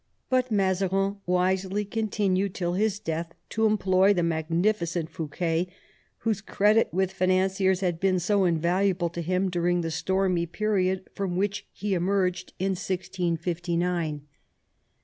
But Mazarin wisely continued till his death to employ the magnificent Fouquet, whose credit with financiers had been so in valuable to him during the stormy period from which 172 IfAZABIN CHAP. he emerged in 1659.